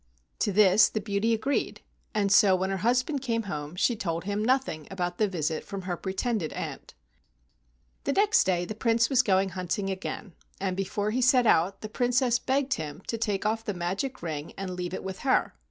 To this the beauty agreed, and so when her husband came home she told him nothing about the visit from her pretended aunt. The next day the Prince was going hunting again, and before he set out the Princess begged him to take off the magic ring and leave it with her.